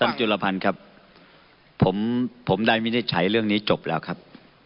จุลพันธ์ครับผมผมได้วินิจฉัยเรื่องนี้จบแล้วครับ